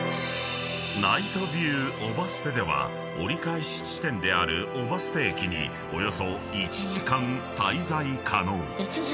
［ナイトビュー姨捨では折り返し地点である姨捨駅におよそ１時間滞在可能］